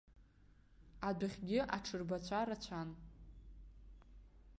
Адәахьгьы аҽырбацәа рацәан.